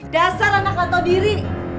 dasar anak lontoh diri